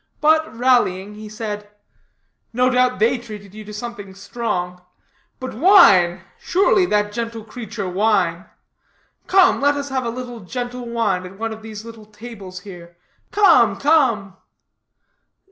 But rallying, he said: "No doubt they treated you to something strong; but wine surely, that gentle creature, wine; come, let us have a little gentle wine at one of these little tables here. Come, come."